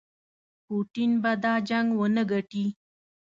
پوټین به دا جنګ ونه ګټي.